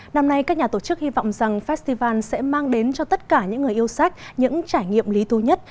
năm nay các nhà tổ chức hy vọng rằng festival sẽ mang đến cho tất cả những người yêu sách những trải nghiệm lý thú nhất